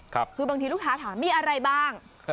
คือบางทีลูกค้าถามมีอะไรบ้าง